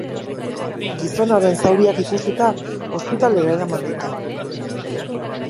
Gizonaren zauriak ikusita, ospitalera eraman dute.